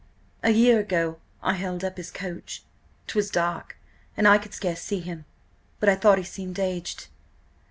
"A year ago I held up his coach. 'Twas dark, and I could scarce see him, but I thought he seemed aged."